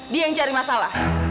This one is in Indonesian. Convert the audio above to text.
dia yang cari masalah